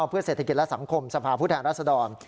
เพื่อเศรษฐกิจและสำคมสมภาพุทธแห่งรัฐศดร